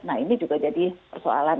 nah ini juga jadi persoalan